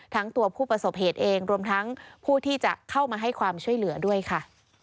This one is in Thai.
ทั้งตัวผู้ประสบเหตุเองรวมทั้งผู้ที่จะเข้ามาให้ความช่วยเหลือด้วยค่ะ